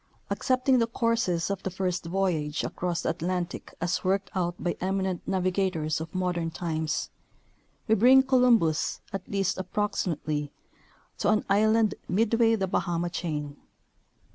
Accepting the courses of the first voyage across the Atlantic as worked out by eminent navigators of modern times, we bring Columbus, at least approximately, to an island midway the Bahama chain.